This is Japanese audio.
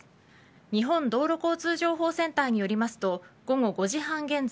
日本道路交通情報センターによりますと午後５時半現在